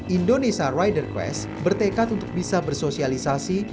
indonesia ride a quest bertekad untuk bisa bersosialisasi